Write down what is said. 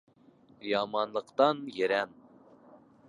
Яманлыҡтан ерән.